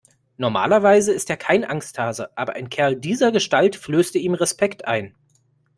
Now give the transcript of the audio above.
Normalerweise ist er kein Angsthase, aber ein Kerl dieser Gestalt flößte ihm Respekt ein.